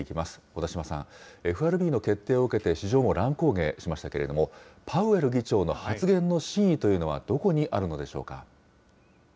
小田島さん、ＦＲＢの決定を受けて、市場も乱高下しましたけれども、パウエル議長の発言の真意というのはどこにあるのでしょうか。